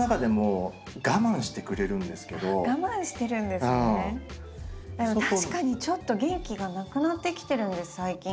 でも確かにちょっと元気がなくなってきてるんです最近。